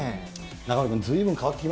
中丸君、ずいぶん変わってき